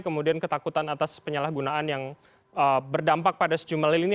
kemudian ketakutan atas penyalahgunaan yang berdampak pada sejumlah lini